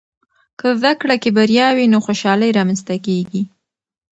که زده کړه کې بریا وي، نو خوشحالۍ رامنځته کېږي.